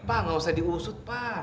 pak gak usut pak